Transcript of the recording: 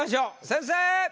先生！